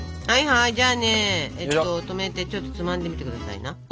はいはいじゃあね止めてちょっとつまんでみて下さいな。